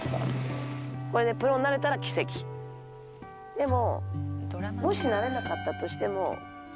でも。